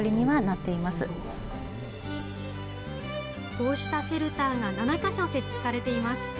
こうしたシェルターが７か所設置されています。